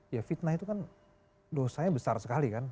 ya fitnah itu kan dosanya besar sekali kan